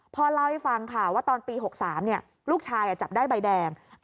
พ่อเล่าให้ฟังค่ะว่าตอนปี๖๓ลูกชายจับได้ใบแดง